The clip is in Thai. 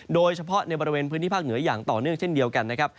โดยเฉพาะในบริเวณพื้นที่ภาคเหนืออย่างต่อเนื่องเช่นเดียวกันนะครับ